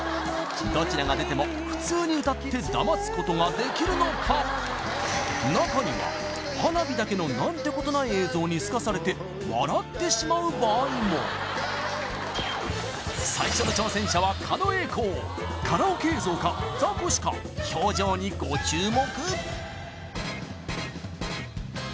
どちらが出ても普通に歌ってダマすことができるのかなかには花火だけのなんてことない映像にスカされて笑ってしまう場合も最初の挑戦者は狩野英孝カラオケ映像かザコシか表情にご注目